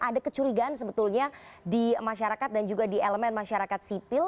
ada kecurigaan sebetulnya di masyarakat dan juga di elemen masyarakat sipil